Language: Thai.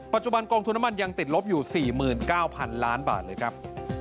กองทุนน้ำมันยังติดลบอยู่๔๙๐๐๐ล้านบาทเลยครับ